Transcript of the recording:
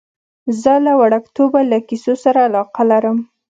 زه له وړکتوبه له کیسو سره علاقه لرم.